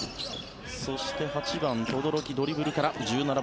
そして、８番、轟ドリブルから１７番